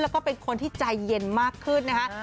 แล้วก็เป็นคนที่ใจเย็นมากขึ้นนะคะ